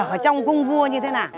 ở trong cung vua như thế nào